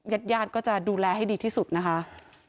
ญาติญาติก็จะดูแลให้ดีที่สุดนะคะ